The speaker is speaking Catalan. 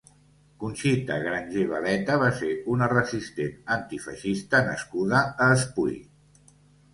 Conxita Grangé Beleta va ser una resistent antifeixista nascuda a Espui.